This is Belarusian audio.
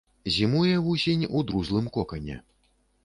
Зімуе вусень ў друзлым кокане.